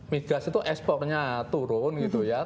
migas itu ekspornya turun gitu ya